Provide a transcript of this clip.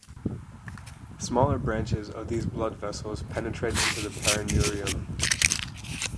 Smaller branches of these blood vessels penetrate into the perineurium.